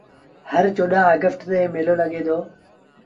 هر چوڏهآݩ اگيسٽ تي ميلو لڳي دو۔